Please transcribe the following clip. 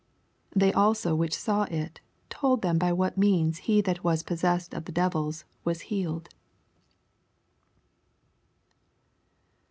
86 Thej also which saw U told them bv what means he that was possessed or the devils was healed.